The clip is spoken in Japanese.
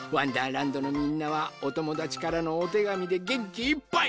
らんど」のみんなはおともだちからのおてがみでげんきいっぱい！